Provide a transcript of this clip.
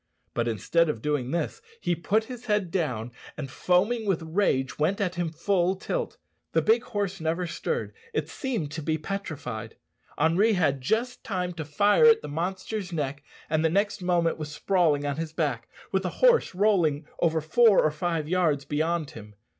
But instead of doing this he put his head down, and, foaming with rage, went at him full tilt. The big horse never stirred; it seemed to be petrified, Henri had just time to fire at the monster's neck, and the next moment was sprawling on his back, with the horse rolling over four or five yards beyond him.